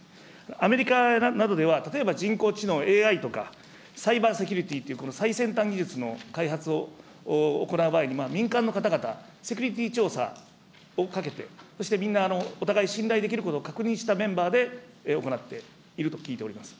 アメリカなどでは例えば人工知能・ＡＩとか、サイバー・セキュリティ、最先端技術の開発を行う場合に、民間の方々、セキュリティ調査をかけて、そして、みんな、お互い信頼できることを確認したメンバーで行っていると聞いております。